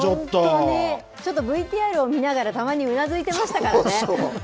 本当に、ちょっとＶＴＲを見ながら、たまにうなずいてましたからね。